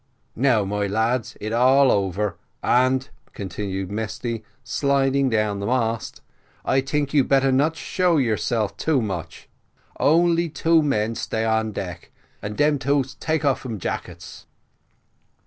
Now, my lads, it all over, and," continued Mesty, sliding down the mast, "I tink you better not show yourself too much; only two men stay on deck, and dem two take off um jackets."